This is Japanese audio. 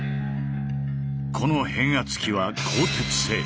この変圧器は鋼鉄製。